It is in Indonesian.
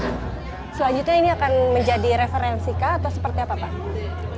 selanjutnya ini akan menjadi referensi kah atau seperti apa pak